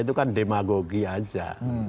itu kan demagogi aja